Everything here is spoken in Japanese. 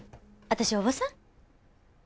私おばさん？